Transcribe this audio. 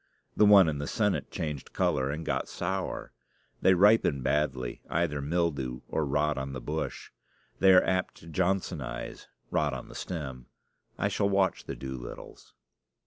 The one in the Senate changed color and got sour. They ripen badly either mildew or rot on the bush. They are apt to Johnsonize rot on the stem. I shall watch the Doolittles.